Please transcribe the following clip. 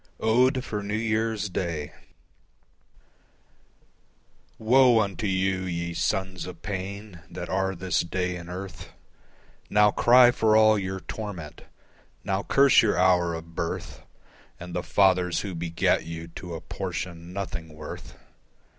Ode for New Year's Day Woe unto you, ye sons of pain that are this day in earth, Now cry for all your torment: now curse your hour of birth And the fathers who begat you to a portion nothing worth.